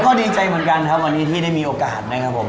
ก็ดีใจเหมือนกันครับวันนี้ที่ได้มีโอกาสนะครับผม